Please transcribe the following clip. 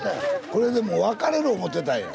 これでも別れる思てたんや？